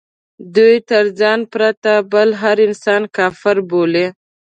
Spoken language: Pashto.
دوی تر ځان پرته بل هر انسان کافر بولي.